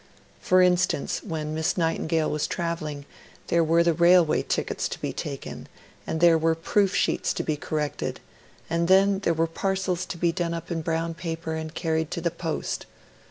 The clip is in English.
For instance, when Miss Nightingale was travelling, there were the railway tickets to be taken; and there were proof sheets to be corrected; and then there were parcels to be done up in brown paper, and carried to the post.